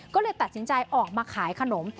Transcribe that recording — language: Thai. ก็เลยตัดสินใจออกมาขายขนม